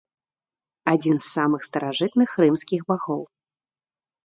Адзін з самых старажытных рымскіх багоў.